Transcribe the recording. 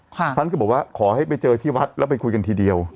ท่านก็บอกว่าขอให้ไปเจอที่วัดแล้วไปคุยกันทีเดียว